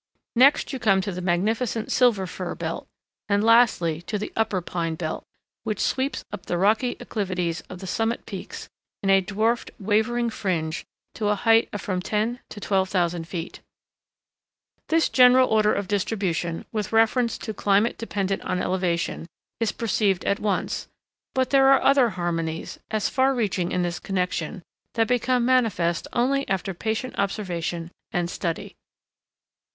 Next you come to the magnificent Silver Fir belt, and lastly to the upper pine belt, which sweeps up the rocky acclivities of the summit peaks in a dwarfed, wavering fringe to a height of from ten to twelve thousand feet. [Illustration: EDGE OF THE TIMBER LINE ON MOUNT SHASTA.] This general order of distribution, with reference to climate dependent on elevation, is perceived at once, but there are other harmonies, as far reaching in this connection, that become manifest only after patient observation and study.